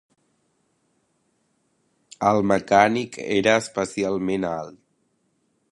El mecànic era especialment alt.